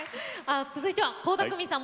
続いては倖田來未さん